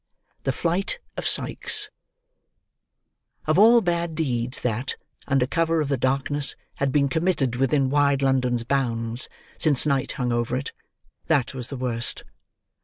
THE FLIGHT OF SIKES Of all bad deeds that, under cover of the darkness, had been committed within wide London's bounds since night hung over it, that was the worst.